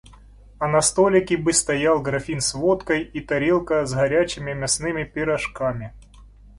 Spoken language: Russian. А на столике бы стоял графин с водкой и тарелка с горячими мясными пирожками.